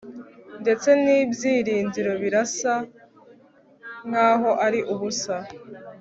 ndetse ibyiringiro birasa nkaho ari ubusa